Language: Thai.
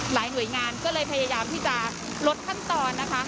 หน่วยงานก็เลยพยายามที่จะลดขั้นตอนนะคะ